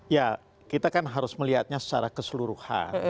ya kita kan harus melihatnya secara keseluruhan